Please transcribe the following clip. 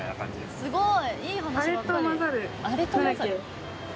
すごーい！